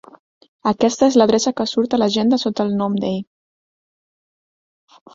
Aquesta és l'adreça que surt a l'agenda sota el nom d'ell.